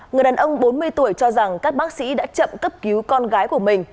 người đàn ông bốn mươi tuổi cho rằng các bác sĩ đã chậm cấp cứu con gái của mình